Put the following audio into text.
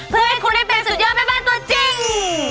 เพื่อให้คุณได้เป็นสุดยอดแม่บ้านตัวจริง